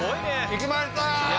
いきました！